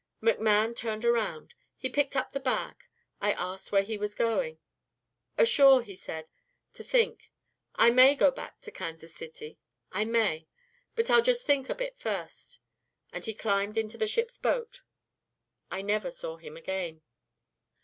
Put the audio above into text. "McMann turned around. He picked up the bag. I asked where he was going. 'Ashore,' he said, 'to think. I may go back to Kansas City I may. But I'll just think a bit first.' And he climbed into the ship's boat. I never saw him again."